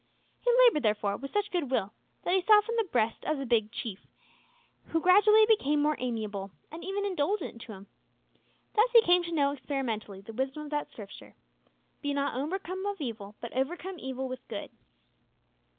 He laboured, therefore, with such goodwill, that he softened the breast of the Big Chief, who gradually became more amiable, and even indulgent to him. Thus he came to know experimentally the wisdom of that Scripture, "Be not overcome of evil, but overcome evil with good."